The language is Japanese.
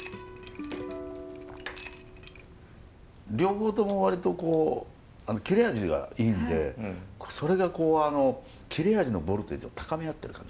両方とも割と切れ味がいいのでそれがこう切れ味のボルテージを高め合ってる感じがします。